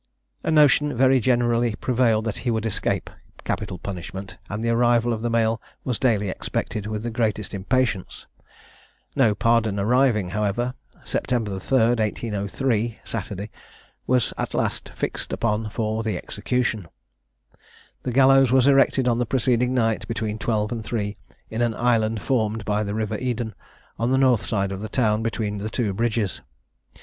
A notion very generally prevailed that he would escape capital punishment, and the arrival of the mail was daily expected with the greatest impatience. No pardon arriving, however, September 3, 1803, (Saturday,) was at last fixed upon for the execution. The gallows was erected on the preceding night, between twelve and three, in an island formed by the river Eden, on the north side of the town, between the two bridges.